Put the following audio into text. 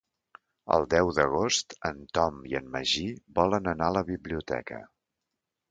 El deu d'agost en Tom i en Magí volen anar a la biblioteca.